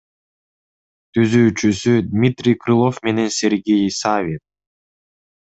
Түзүүчүсү — Дмитрий Крылов менен Сергей Савин.